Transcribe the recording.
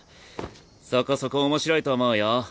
そこそこ面白いと思うよ。